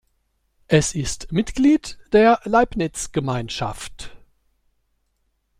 Es ist Mitglied der Leibniz-Gemeinschaft.